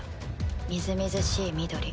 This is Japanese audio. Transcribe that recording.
みずみずしい緑。